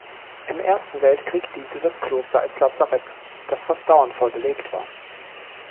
Im Ersten Weltkrieg diente das Kloster als Lazarett, das fast dauernd voll belegt war.